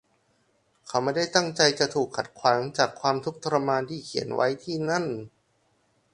เขาไม่ได้ตั้งใจจะถูกขัดขวางจากความทุกข์ทรมานที่เขียนไว้ที่นั่น